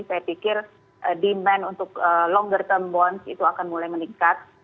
saya pikir demand untuk longer term bonds itu akan mulai meningkat